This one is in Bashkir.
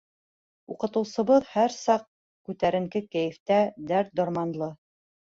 Уҡытыусыбыҙ һәр саҡ күтәренке кәйефтә, дәрт-дарманлы.